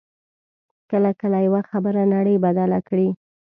کله کله یوه خبره نړۍ بدله کړي